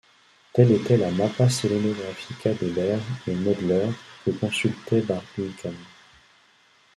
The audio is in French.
Telle était la Mappa selenographica de Beer et Mœdler que consultait Barbicane.